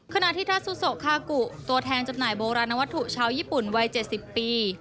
ขณะที่ทาซูโซคากุตัวแทนจำหน่ายโบราณวัตถุชาวญี่ปุ่นวัย๗๐ปี